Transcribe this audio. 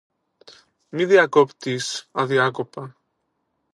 Μη διακόπτεις αδιάκοπα!